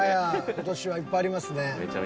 今年はいっぱいありますね。